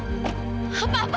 seorang orang yang terbuka